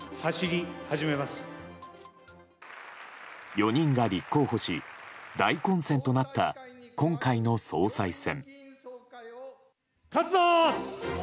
４人が立候補し大混戦となった今回の総裁選。